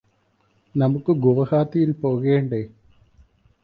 നമുക്ക് ഗുവാഹത്തിയിൽ പോകണ്ടേ?